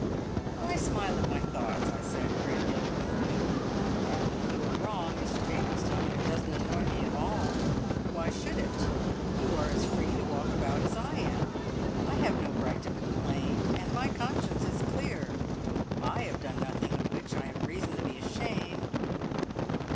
"I smile at my thoughts," I said grandiloquently. "And you are wrong, Mr Maplestone. It doesn't annoy me at all. Why should it? You are as free to walk about as I am. I have no right to complain. And my conscience is clear! I have done nothing of which I have reason to be ashamed."